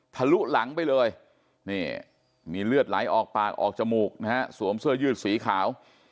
ทะลุหลังไปเลยนี่มีเลือดไหลออกปากออกจมูกนะฮะสวมเสื้อยืดสีขาว